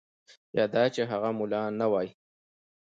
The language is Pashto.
یا دا چې هغه ملا نه وای.